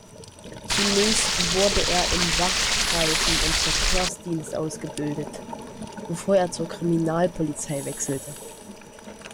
Zunächst wurde er im Wach-, Streifen- und Verkehrsdienst ausgebildet, bevor er zur Kriminalpolizei wechselte.